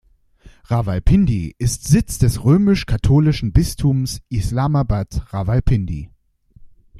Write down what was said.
Rawalpindi ist Sitz des Römisch-katholischen Bistums Islamabad-Rawalpindi.